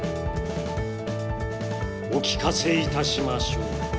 お聞かせいたしましょう。